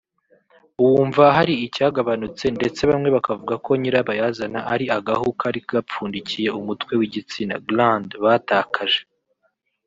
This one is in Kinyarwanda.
bumva hari icyagabanutse ndetse bamwe bakavuga ko nyirabayazana ari agahu kari gapfundikiye umutwe w’igitsina (gland) batakaje